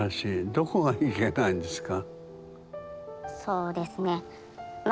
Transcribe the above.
どこがいけないんですか？